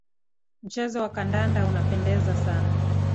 Mchezo wa kandanda unapendeza sana.